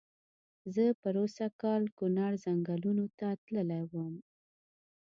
زه پرو سږ کال کونړ ځنګلونو ته تللی وم.